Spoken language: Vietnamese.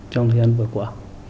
trong thời gian vừa qua